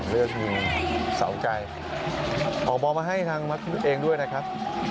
เลือกยิงเศร้าใจของบอลมาให้ทางมักครูเองด้วยนะครับ